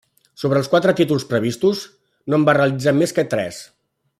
Sobre els quatre títols previstos, no en va realitzar més que tres.